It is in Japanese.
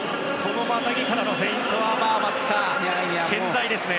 またぎからのフェイント松木さん、健在ですね。